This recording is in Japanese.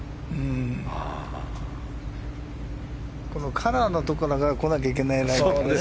カラーのところが来なきゃいけないラインだね。